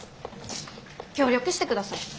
協力してください。